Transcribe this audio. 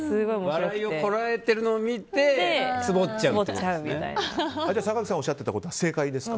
笑いをこらえてるのを見てツボっちゃうみたいなことですね。